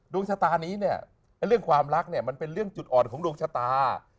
ดวงชะตานี้เนี่ยเรื่องความรักเนี่ยมันเป็นเรื่องจุดอ่อนของดวงชะตา